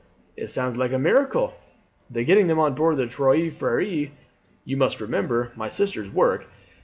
It sounds like a miracle." "The getting them on board the Trois Freres was, you must remember, my sister's work.